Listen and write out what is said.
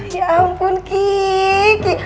ya ampun kiki